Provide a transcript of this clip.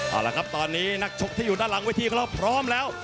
เอาละครับตอนนี้นักชกที่อยู่ด้านหลังเวทีของเราพร้อมแล้ว